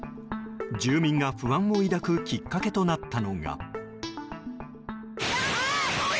住民が不安を抱くきっかけとなったのが。